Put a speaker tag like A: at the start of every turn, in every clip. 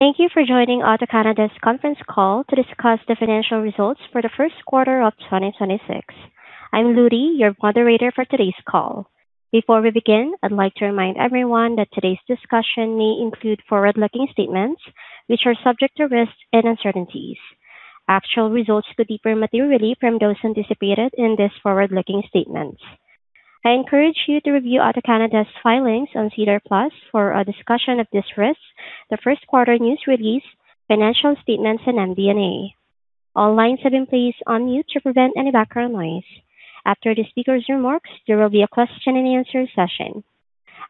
A: Thank you for joining AutoCanada's Conference Call to discuss the financial results for the first quarter of 2026. I'm Ludy, your moderator for today's call. Before we begin, I'd like to remind everyone that today's discussion may include forward-looking statements, which are subject to risks and uncertainties. Actual results could differ materially from those anticipated in these forward-looking statements. I encourage you to review AutoCanada's filings on SEDAR+ for a discussion of these risks, the first quarter news release, financial statements, and MD&A. All lines have been placed on mute to prevent any background noise. After the speaker's remarks, there will be a question-and-answer session.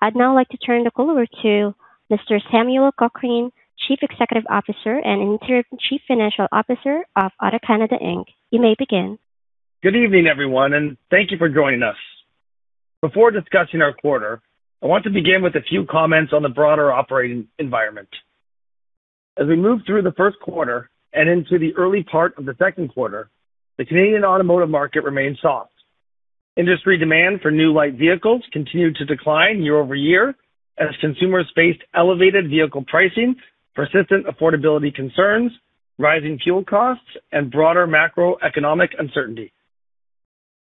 A: I'd now like to turn the call over to Mr. Samuel Cochrane, Chief Executive Officer and Interim Chief Financial Officer of AutoCanada Inc You may begin.
B: Good evening, everyone, and thank you for joining us. Before discussing our quarter, I want to begin with a few comments on the broader operating environment. As we move through the first quarter and into the early part of the second quarter, the Canadian automotive market remains soft. Industry demand for new light vehicles continued to decline year-over-year as consumers faced elevated vehicle pricing, persistent affordability concerns, rising fuel costs, and broader macroeconomic uncertainty.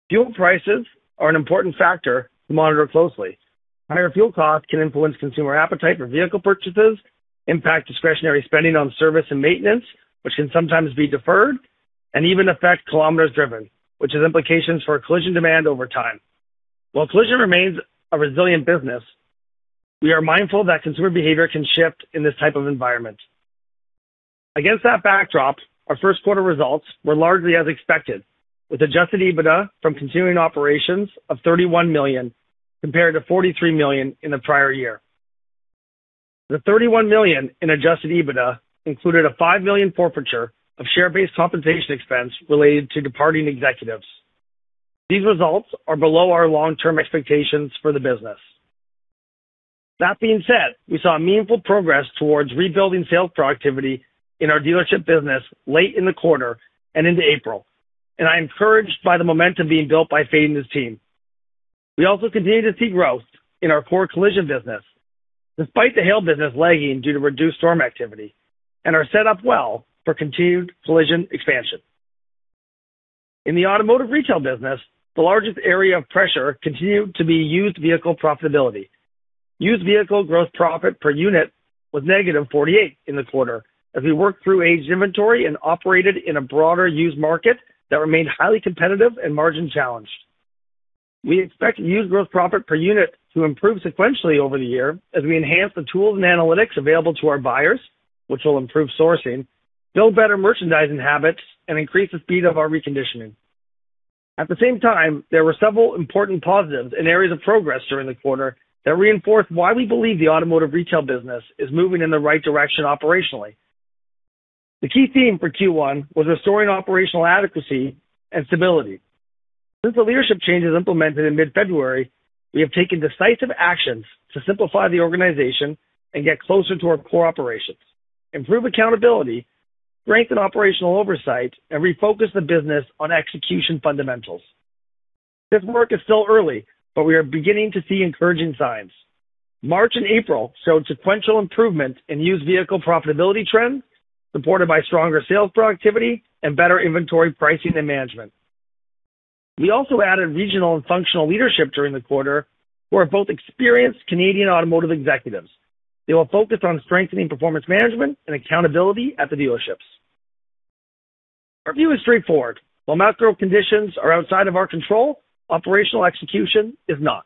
B: Fuel prices are an important factor to monitor closely. Higher fuel costs can influence consumer appetite for vehicle purchases, impact discretionary spending on service and maintenance, which can sometimes be deferred, and even affect kilometers driven, which has implications for collision demand over time. While collision remains a resilient business, we are mindful that consumer behavior can shift in this type of environment. Against that backdrop, our first quarter results were largely as expected, with adjusted EBITDA from continuing operations of CAD 31 million compared to CAD 43 million in the prior year. The CAD 31 million in adjusted EBITDA included a CAD 5 million forfeiture of share-based compensation expense related to departing executives. These results are below our long-term expectations for the business. That being said, we saw meaningful progress towards rebuilding sales productivity in our dealership business late in the quarter and into April, and I am encouraged by the momentum being built by Fade and his team. We also continue to see growth in our core collision business despite the hail business lagging due to reduced storm activity and are set up well for continued collision expansion. In the automotive retail business, the largest area of pressure continued to be used vehicle profitability. Used vehicle gross profit per unit was -48 in the quarter as we worked through aged inventory and operated in a broader used market that remained highly competitive and margin-challenged. We expect used gross profit per unit to improve sequentially over the year as we enhance the tools and analytics available to our buyers, which will improve sourcing, build better merchandising habits, and increase the speed of our reconditioning. At the same time, there were several important positives and areas of progress during the quarter that reinforce why we believe the automotive retail business is moving in the right direction operationally. The key theme for Q1 was restoring operational adequacy and stability. Since the leadership changes implemented in mid-February, we have taken decisive actions to simplify the organization and get closer to our core operations, improve accountability, strengthen operational oversight, and refocus the business on execution fundamentals. This work is still early, but we are beginning to see encouraging signs. March and April showed sequential improvement in used vehicle profitability trends supported by stronger sales productivity and better inventory pricing and management. We also added regional and functional leadership during the quarter who are both experienced Canadian automotive executives. They will focus on strengthening performance management and accountability at the dealerships. Our view is straightforward. While macro conditions are outside of our control, operational execution is not.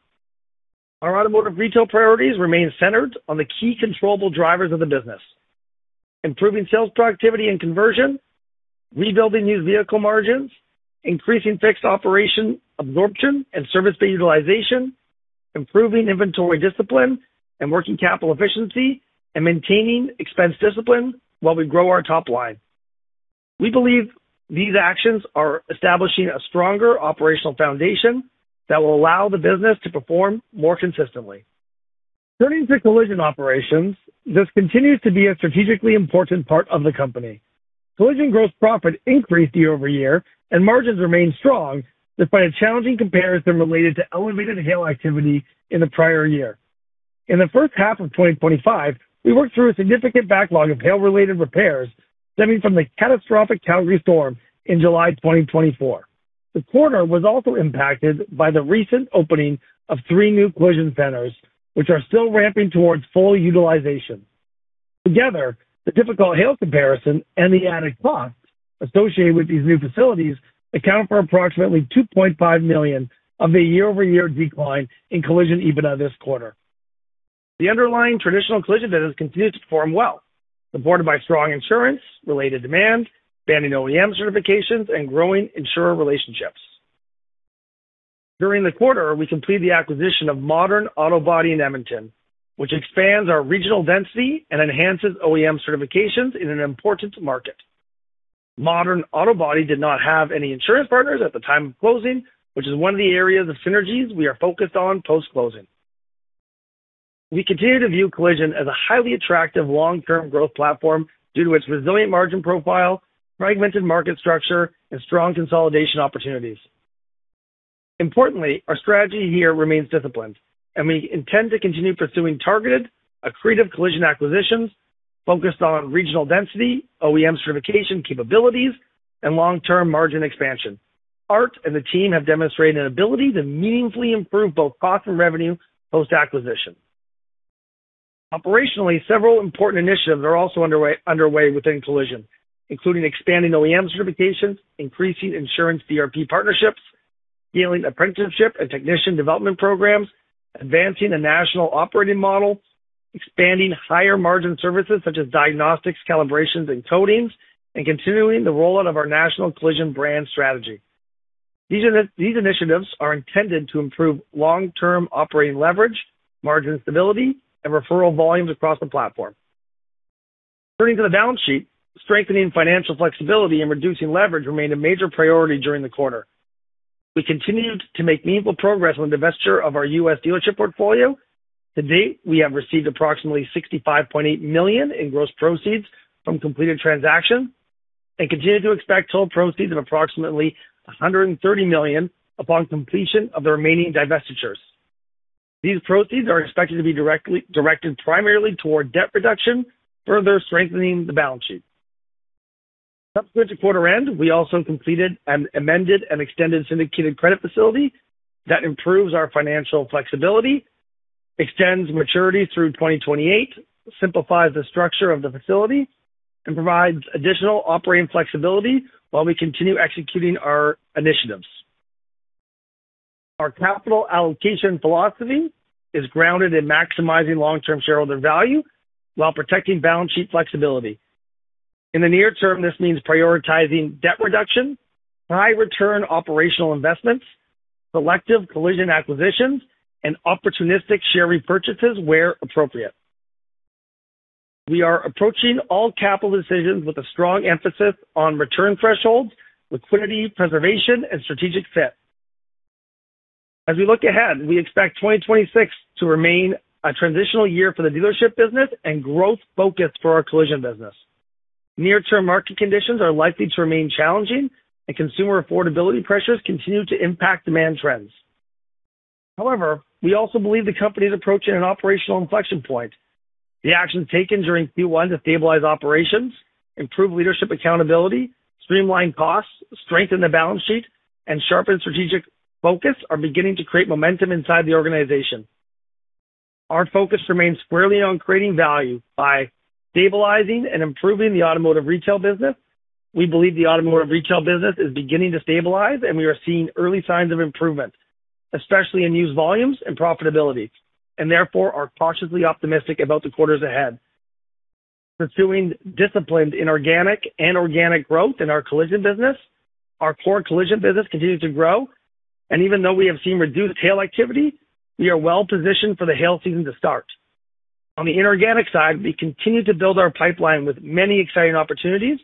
B: Our automotive retail priorities remain centered on the key controllable drivers of the business, improving sales productivity and conversion, rebuilding used vehicle margins, increasing fixed operation absorption and service bay utilization, improving inventory discipline and working capital efficiency, and maintaining expense discipline while we grow our top line. We believe these actions are establishing a stronger operational foundation that will allow the business to perform more consistently. Turning to collision operations, this continues to be a strategically important part of the company. Collision gross profit increased year-over-year and margins remained strong despite a challenging comparison related to elevated hail activity in the prior year. In the first half of 2025, we worked through a significant backlog of hail-related repairs stemming from the catastrophic Calgary storm in July 2024. The quarter was also impacted by the recent opening of three new collision centers, which are still ramping towards full utilization. Together, the difficult hail comparison and the added costs associated with these new facilities account for approximately 2.5 million of the year-over-year decline in collision EBITDA this quarter. The underlying traditional collision business continues to perform well, supported by strong insurance-related demand, expanding OEM certifications, and growing insurer relationships. During the quarter, we completed the acquisition of Modern Auto Body in Edmonton, which expands our regional density and enhances OEM certifications in an important market. Modern Auto Body did not have any insurance partners at the time of closing, which is one of the areas of synergies we are focused on post-closing. We continue to view collision as a highly attractive long-term growth platform due to its resilient margin profile, fragmented market structure, and strong consolidation opportunities. Importantly, our strategy here remains disciplined, and we intend to continue pursuing targeted accretive collision acquisitions focused on regional density, OEM certification capabilities, and long-term margin expansion. Art and the team have demonstrated an ability to meaningfully improve both cost and revenue post-acquisition. Operationally, several important initiatives are also underway within collision, including expanding OEM certifications, increasing insurance DRP partnerships, scaling apprenticeship and technician development programs, advancing a national operating model, expanding higher margin services such as diagnostics, calibrations, and coatings, and continuing the rollout of our national collision brand strategy. These initiatives are intended to improve long-term operating leverage, margin stability, and referral volumes across the platform. Turning to the balance sheet, strengthening financial flexibility and reducing leverage remained a major priority during the quarter. We continued to make meaningful progress on the divestiture of our U.S. dealership portfolio. To date, we have received approximately 65.8 million in gross proceeds from completed transactions and continue to expect total proceeds of approximately 130 million upon completion of the remaining divestitures. These proceeds are expected to be directed primarily toward debt reduction, further strengthening the balance sheet. Subsequent to quarter end, we also completed an amended and extended syndicated credit facility that improves our financial flexibility, extends maturity through 2028, simplifies the structure of the facility, and provides additional operating flexibility while we continue executing our initiatives. Our capital allocation philosophy is grounded in maximizing long-term shareholder value while protecting balance sheet flexibility. In the near term, this means prioritizing debt reduction, high return operational investments, selective collision acquisitions, and opportunistic share repurchases where appropriate. We are approaching all capital decisions with a strong emphasis on return thresholds, liquidity preservation, and strategic fit. As we look ahead, we expect 2026 to remain a transitional year for the dealership business and growth focus for our collision business. Near-term market conditions are likely to remain challenging, and consumer affordability pressures continue to impact demand trends. However, we also believe the company is approaching an operational inflection point. The actions taken during Q1 to stabilize operations, improve leadership accountability, streamline costs, strengthen the balance sheet, and sharpen strategic focus are beginning to create momentum inside the organization. Our focus remains squarely on creating value by stabilizing and improving the automotive retail business. We believe the automotive retail business is beginning to stabilize, and we are seeing early signs of improvement, especially in used volumes and profitability, and therefore are cautiously optimistic about the quarters ahead. Pursuing disciplined inorganic and organic growth in our collision business. Our core collision business continues to grow, and even though we have seen reduced hail activity, we are well-positioned for the hail season to start. On the inorganic side, we continue to build our pipeline with many exciting opportunities,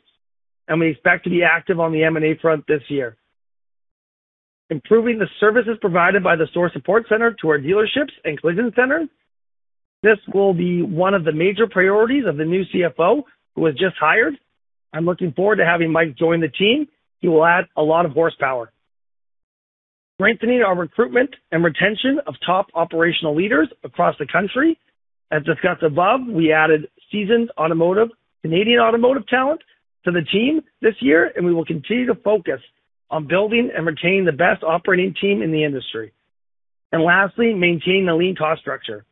B: and we expect to be active on the M&A front this year. Improving the services provided by the store support center to our dealerships and collision centers. This will be one of the major priorities of the new CFO who was just hired. I'm looking forward to having Mike join the team. He will add a lot of horsepower. Strengthening our recruitment and retention of top operational leaders across the country. As discussed above, we added seasoned Canadian automotive talent to the team this year, and we will continue to focus on building and retaining the best operating team in the industry. Lastly, maintaining a lean cost structure.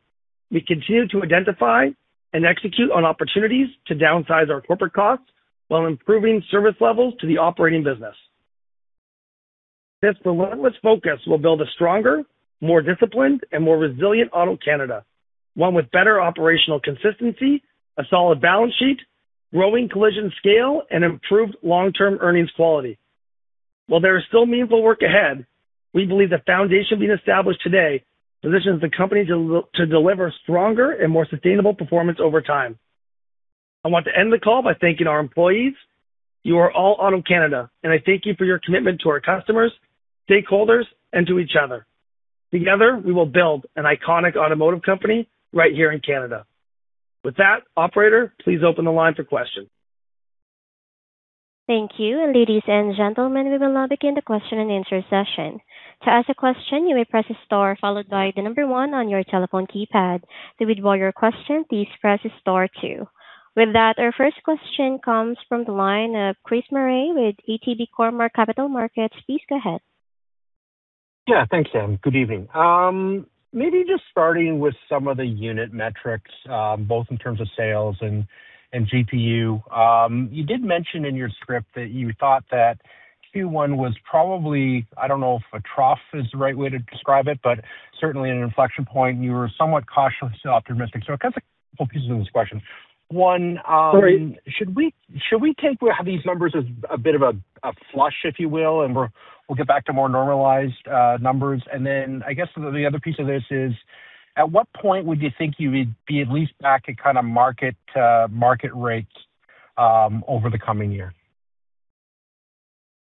B: We continue to identify and execute on opportunities to downsize our corporate costs while improving service levels to the operating business. This relentless focus will build a stronger, more disciplined, and more resilient AutoCanada, one with better operational consistency, a solid balance sheet, growing collision scale, and improved long-term earnings quality. While there is still meaningful work ahead, we believe the foundation being established today positions the company to deliver stronger and more sustainable performance over time. I want to end the call by thanking our employees. You are all AutoCanada, and I thank you for your commitment to our customers, stakeholders, and to each other. Together, we will build an iconic automotive company right here in Canada. With that, operator, please open the line for questions.
A: Thank you. Ladies and gentlemen, we will now begin the question and answer session to ask a question you will press star followed by number one on your telephone keypad, to withdraw your question please press star two. With that, our first question comes from the line of Chris Murray with ATB Cormark Capital Markets. Please go ahead.
C: Yeah. Thanks, Sam. Good evening. Maybe just starting with some of the unit metrics, both in terms of sales and GPU. You did mention in your script that you thought that Q1 was probably, I don't know if a trough is the right way to describe it, but certainly an inflection point, and you were somewhat cautiously optimistic. A couple pieces of this question. One,
B: Sorry.
C: Should we take we have these numbers as a bit of a flush, if you will, and we'll get back to more normalized numbers? I guess the other piece of this is, at what point would you think you would be at least back at kinda market rates over the coming year?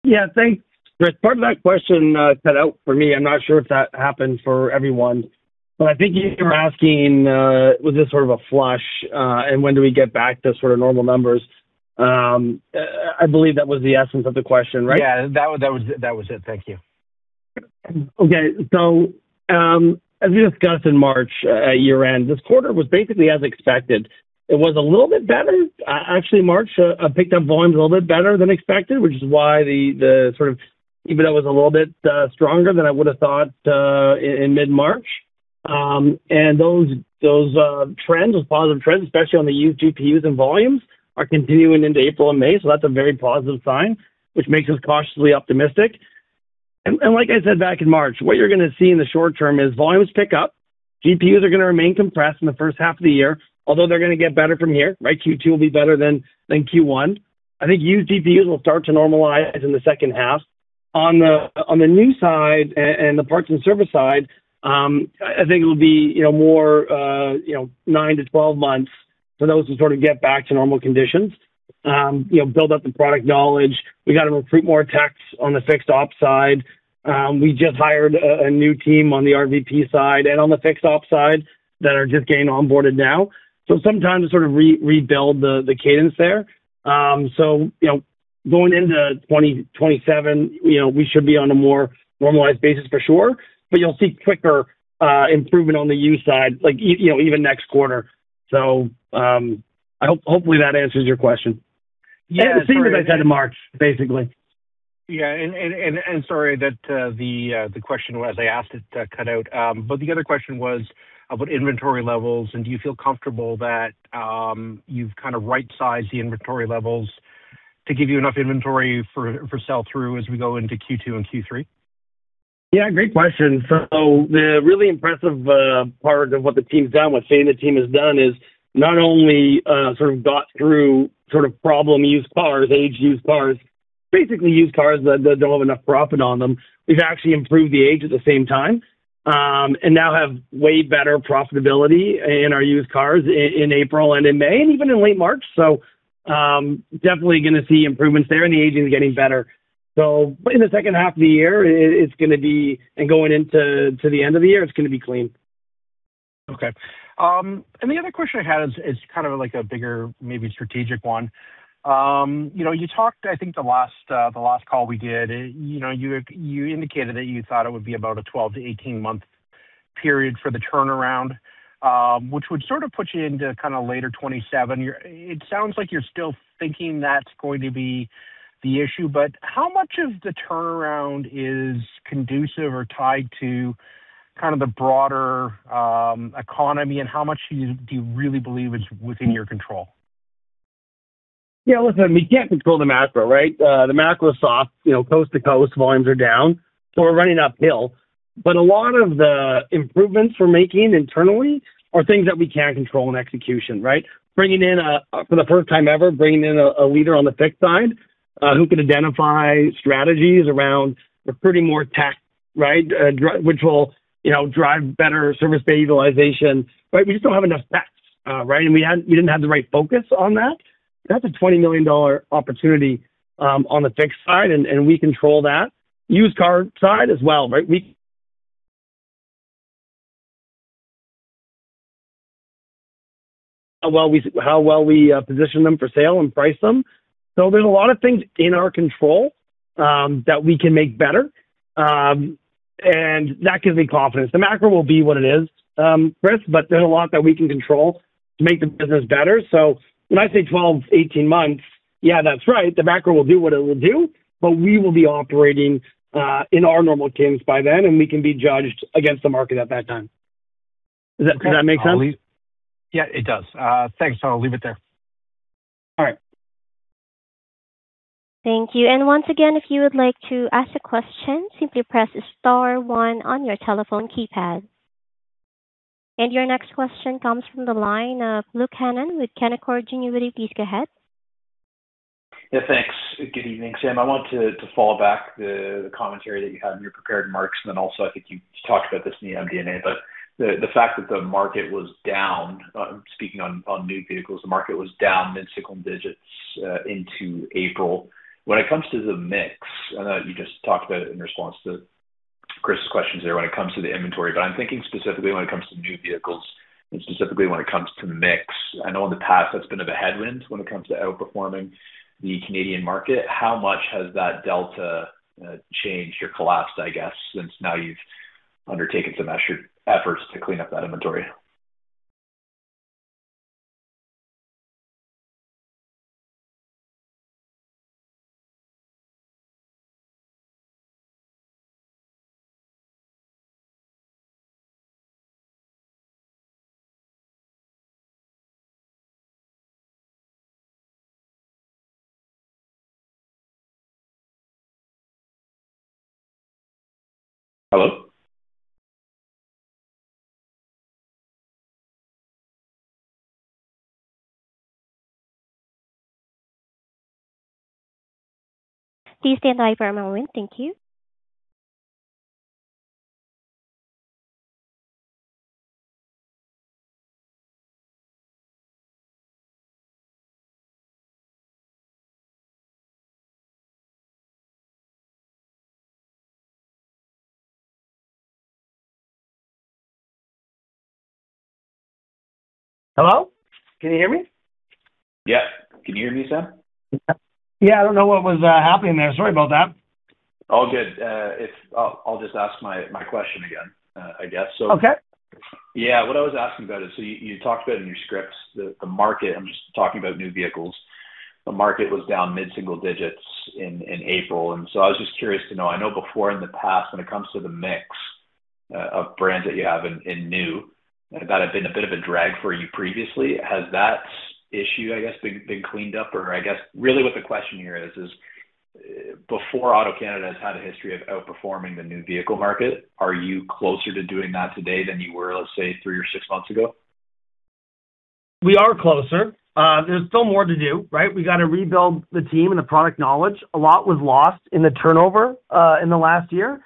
B: Yeah. Thanks, Chris. Part of that question cut out for me. I'm not sure if that happened for everyone, but I think you were asking, was this sort of a flush, and when do we get back to sort of normal numbers? I believe that was the essence of the question, right?
C: Yeah, that was it. Thank you.
B: Okay. As we discussed in March at year-end, this quarter was basically as expected. It was a little bit better. Actually, March picked up volumes a little bit better than expected, which is why the sort of even though it was a little bit stronger than I would have thought in mid-March. Those trends, those positive trends, especially on the used GPUs and volumes, are continuing into April and May. That's a very positive sign, which makes us cautiously optimistic. Like I said back in March, what you're gonna see in the short term is volumes pick up. GPUs are gonna remain compressed in the first half of the year, although they're gonna get better from here, right? Q2 will be better than Q1. I think used GPUs will start to normalize in the second half. On the new side and the parts and service side, I think it'll be, you know, more, you know, 9-12 months for those to sort of get back to normal conditions. You know, build up the product knowledge. We got to recruit more techs on the fixed ops side. We just hired a new team on the RVP side and on the fixed ops side that are just getting onboarded now. Some time to sort of rebuild the cadence there. You know, going into 2027, you know, we should be on a more normalized basis for sure. You'll see quicker improvement on the used side, like you know, even next quarter. Hopefully that answers your question.
C: Yeah.
B: Same as I said in March, basically.
C: Yeah. Sorry that, the question as I asked it, cut out. The other question was about inventory levels, and do you feel comfortable that, you've kinda right-sized the inventory levels to give you enough inventory for sell-through as we go into Q2 and Q3?
B: Yeah, great question. The really impressive part of what the team's done, what Shane and the team has done is not only sort of got through sort of problem used cars, aged used cars, basically used cars that don't have enough profit on them. We've actually improved the age at the same time, and now have way better profitability in our used cars in April and in May, and even in late March. Definitely going to see improvements there, and the aging is getting better. In the second half of the year, it's going to be and going into the end of the year, it's going to be clean.
C: Okay. The other question I had is kind of like a bigger, maybe strategic one. You know, you talked, I think the last, the last call we did, you know, you indicated that you thought it would be about a 12-18 month period for the turnaround, which would sort of put you into kinda later 2027. It sounds like you're still thinking that's going to be the issue, how much of the turnaround is conducive or tied to kind of the broader economy, and how much do you really believe is within your control?
B: Yeah. Listen, we can't control the macro, right? The macro is soft. You know, coast to coast, volumes are down, we're running uphill. A lot of the improvements we're making internally are things that we can control in execution, right? Bringing in a, for the first time ever, bringing in a leader on the fixed side, who can identify strategies around recruiting more tech, right? Which will, you know, drive better service bay utilization, right? We just don't have enough techs, right? We didn't have the right focus on that. That's a 20 million dollar opportunity on the fixed side, and we control that. Used car side as well, right? We how well we position them for sale and price them. There's a lot of things in our control that we can make better, and that gives me confidence. The macro will be what it is, Chris, but there's a lot that we can control to make the business better. When I say 12-18 months, yeah, that's right. The macro will do what it will do, but we will be operating in our normal teams by then, and we can be judged against the market at that time. Does that make sense?
C: Yeah, it does. Thanks. I'll leave it there.
B: All right.
A: Thank you. Once again, if you would like to ask a question, simply press star one on your telephone keypad. Your next question comes from the line of Luke Hannan with Canaccord Genuity. Please go ahead.
D: Yeah, thanks. Good evening, Sam. I wanted to follow back the commentary that you had in your prepared remarks. Also, I think you talked about this in the MD&A. The fact that the market was down, speaking on new vehicles, the market was down mid-single digits into April. When it comes to the mix, I know you just talked about it in response to Chris's questions there when it comes to the inventory. I'm thinking specifically when it comes to new vehicles and specifically when it comes to mix. I know in the past that's been a bit of a headwind when it comes to outperforming the Canadian market. How much has that delta changed or collapsed, I guess, since now you've undertaken some measured efforts to clean up that inventory? Hello?
A: Please stand by for a moment. Thank you.
B: Hello, can you hear me?
D: Yeah. Can you hear me, Sam?
B: I don't know what was happening there. Sorry about that.
D: All good. I'll just ask my question again, I guess so.
B: Okay.
D: Yeah. What I was asking about is, you talked about in your scripts the market, I'm just talking about new vehicles. The market was down mid-single digits in April. I was just curious to know, I know before in the past when it comes to the mix of brands that you have in new, that had been a bit of a drag for you previously. Has that issue, I guess, been cleaned up? I guess really what the question here is, before AutoCanada has had a history of outperforming the new vehicle market, are you closer to doing that today than you were, let's say, three or six months ago?
B: We are closer. There's still more to do, right? We gotta rebuild the team and the product knowledge. A lot was lost in the turnover in the last year.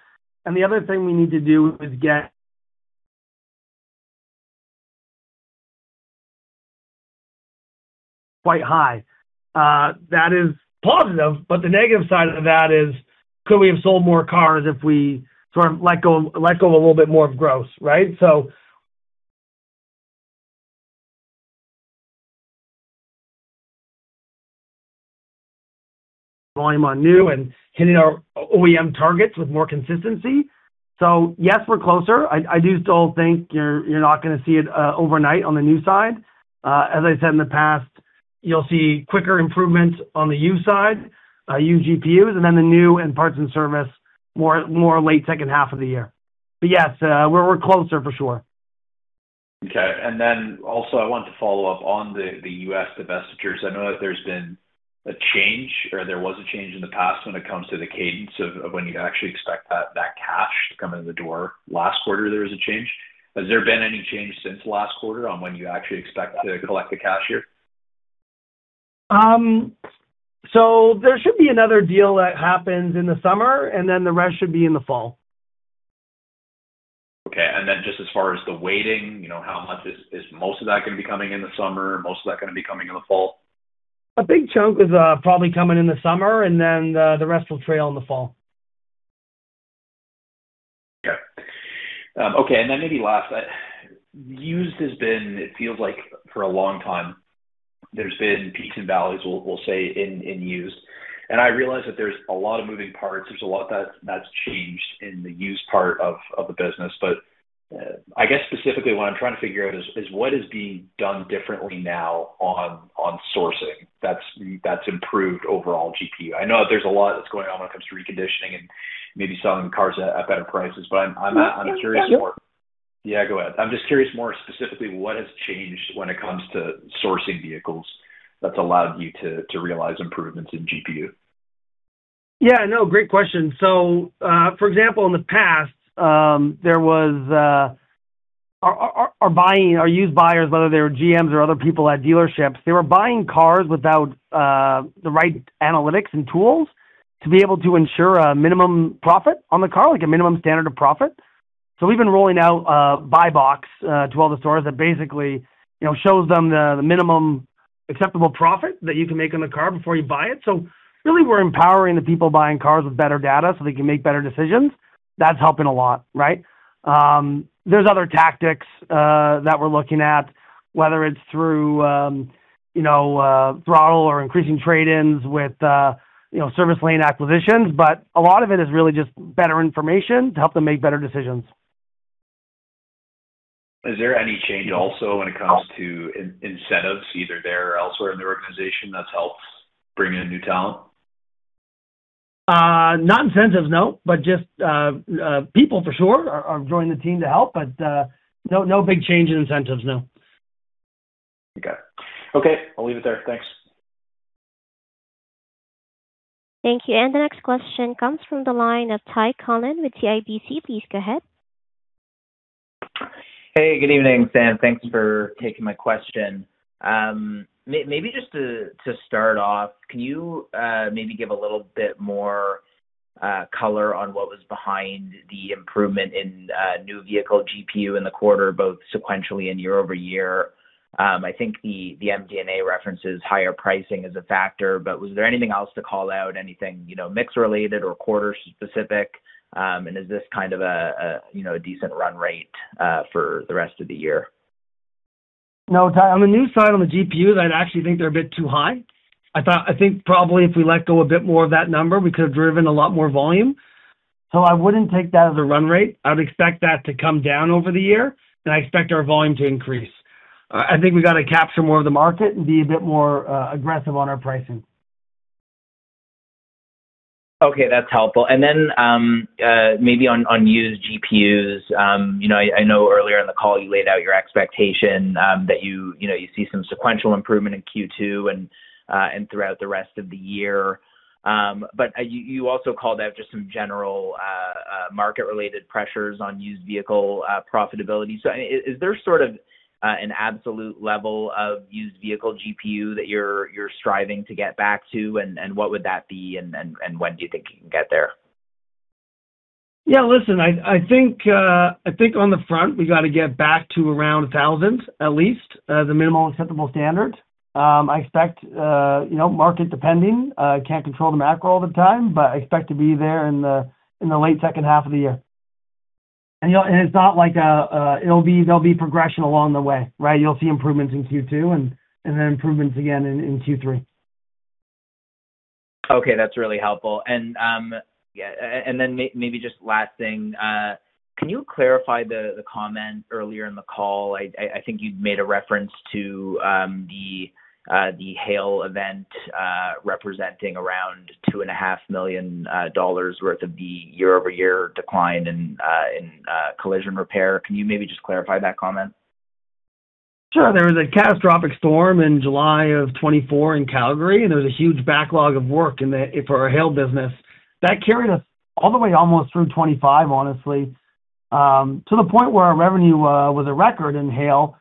B: The other thing we need to do is get quite high. That is positive, but the negative side of that is could we have sold more cars if we sort of let go a little bit more of gross, right? Volume on new and hitting our OEM targets with more consistency. Yes, we're closer. I do still think you're not gonna see it overnight on the new side. As I said in the past, you'll see quicker improvements on the used side, used GPUs, and then the new and parts and service more late second half of the year. Yes, we're closer for sure.
D: Okay. Also I want to follow up on the U.S. divestitures. I know that there's been a change, or there was a change in the past when it comes to the cadence of when you actually expect that cash to come into the door. Last quarter there was a change. Has there been any change since last quarter on when you actually expect to collect the cash here?
B: There should be another deal that happens in the summer, and then the rest should be in the fall.
D: Okay. Then just as far as the weighting, you know, how much is most of that gonna be coming in the summer? Most of that gonna be coming in the fall?
B: A big chunk is, probably coming in the summer and then, the rest will trail in the fall.
D: Yeah. Okay. Then maybe last, used has been it feels like for a long time there's been peaks and valleys, we'll say in used. I realize that there's a lot of moving parts. There's a lot that's changed in the used part of the business. I guess specifically what I'm trying to figure out is what is being done differently now on sourcing that's improved overall GPU. I know there's a lot that's going on when it comes to reconditioning and maybe selling cars at better prices, I'm curious more.
B: Yeah.
D: Yeah, go ahead. I'm just curious more specifically, what has changed when it comes to sourcing vehicles that's allowed you to realize improvements in GPU?
B: Yeah, no, great question. For example, in the past, there was our buying, our used buyers, whether they were GMs or other people at dealerships, they were buying cars without the right analytics and tools to be able to ensure a minimum profit on the car, like a minimum standard of profit. We've been rolling out buy box to all the stores that basically, you know, shows them the minimum acceptable profit that you can make on the car before you buy it. Really we're empowering the people buying cars with better data so they can make better decisions. That's helping a lot, right? There's other tactics that we're looking at, whether it's through, you know, Throttle or increasing trade-ins with, you know, service lane acquisitions. A lot of it is really just better information to help them make better decisions.
D: Is there any change also when it comes to incentives, either there or elsewhere in the organization that's helped bring in new talent?
B: Not incentives, no. Just people for sure are joining the team to help, but no big change in incentives, no.
D: Okay. Okay, I'll leave it there. Thanks.
A: Thank you. The next question comes from the line of Ty Collin with CIBC. Please go ahead.
E: Hey, good evening, Sam. Thanks for taking my question. Maybe just to start off, can you maybe give a little bit more color on what was behind the improvement in new vehicle GPU in the quarter, both sequentially and year-over-year? I think the MD&A references higher pricing as a factor, was there anything else to call out, anything, you know, mix related or quarter specific? Is this kind of a, you know, a decent run rate for the rest of the year?
B: No, Ty, on the new side, on the GPUs, I actually think they're a bit too high. I think probably if we let go a bit more of that number, we could have driven a lot more volume. I wouldn't take that as a run rate. I would expect that to come down over the year, and I expect our volume to increase. I think we gotta capture more of the market and be a bit more aggressive on our pricing.
E: Okay, that's helpful. Maybe on used GPU, you know, I know earlier in the call you laid out your expectation that you know, you see some sequential improvement in Q2 and throughout the rest of the year. You also called out just some general market related pressures on used vehicle profitability. Is there sort of an absolute level of used vehicle GPU that you're striving to get back to? What would that be and when do you think you can get there?
B: Yeah, listen, I think, I think on the front we gotta get back to around thousands at least, the minimum acceptable standard. I expect, you know, market depending, can't control the macro all the time, but I expect to be there in the, in the late second half of the year. You know, it's not like there'll be progression along the way, right? You'll see improvements in Q2 and then improvements again in Q3.
E: Okay, that's really helpful. Yeah, and then maybe just last thing. Can you clarify the comment earlier in the call? I think you'd made a reference to the hail event representing around two and a half million CAD worth of the year-over-year decline in collision repair. Can you maybe just clarify that comment?
B: Sure. There was a catastrophic storm in July of 2024 in Calgary, there was a huge backlog of work for our hail business. That carried us all the way almost through 2025, honestly, to the point where our revenue was a record in hail.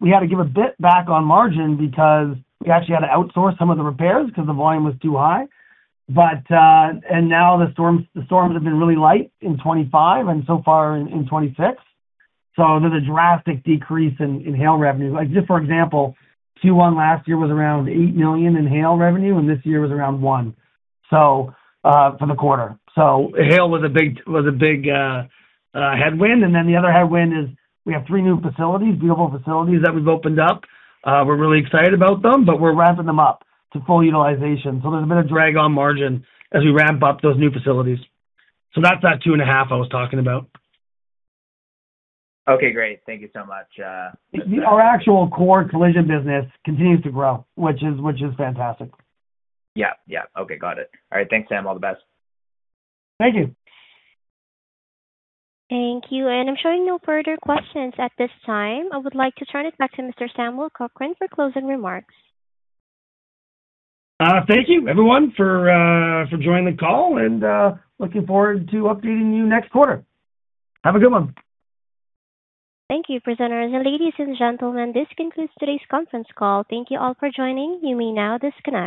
B: We had to give a bit back on margin because we actually had to outsource some of the repairs because the volume was too high. Now the storms have been really light in 2025 and so far in 2026. There's a drastic decrease in hail revenue. Like just for example, Q1 last year was around 8 million in hail revenue, this year was around 1 million for the quarter. Hail was a big headwind. The other headwind is we have three new facilities, beautiful facilities that we've opened up. We're really excited about them, but we're ramping them up to full utilization. There's a bit of drag on margin as we ramp up those new facilities. That's that two and a half I was talking about.
E: Okay, great. Thank you so much.
B: Our actual core collision business continues to grow, which is fantastic.
E: Yeah. Yeah. Okay, got it. All right. Thanks, Sam. All the best.
B: Thank you.
A: Thank you. I'm showing no further questions at this time. I would like to turn it back to Mr. Samuel Cochrane for closing remarks.
B: Thank you everyone for joining the call and looking forward to updating you next quarter. Have a good one.
A: Thank you, presenters. Ladies and gentlemen, this concludes today's conference call. Thank you all for joining. You may now disconnect.